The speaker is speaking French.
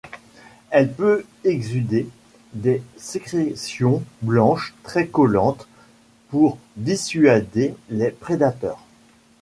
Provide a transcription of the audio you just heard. Elle peut exsuder des sécrétions blanches très collantes pour dissuader les prédateurs.